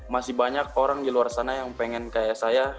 masih banyak orang di luar sana yang pengen kayak saya